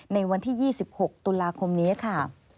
ในวันที่๒๖ตุลาคมนี้ค่ะ